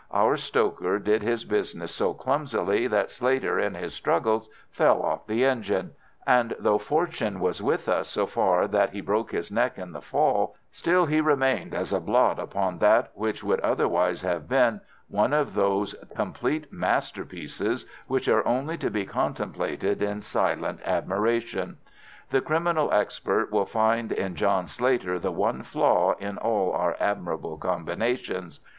Our stoker did his business so clumsily that Slater in his struggles fell off the engine, and though fortune was with us so far that he broke his neck in the fall, still he remained as a blot upon that which would otherwise have been one of those complete masterpieces which are only to be contemplated in silent admiration. The criminal expert will find in John Slater the one flaw in all our admirable combinations.